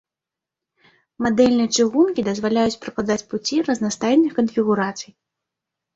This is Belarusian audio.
Мадэльныя чыгункі дазваляюць пракладаць пуці разнастайных канфігурацый.